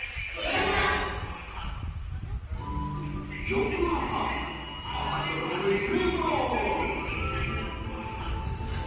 翌朝朝日とともにプレーボール！